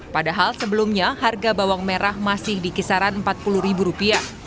padahal sebelumnya harga bawang merah masih di kisaran rp empat puluh